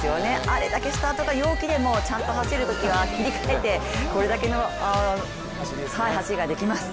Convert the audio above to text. あれだけスタートが陽気でもちゃんと走るときは切り替えてこれだけの走りができます。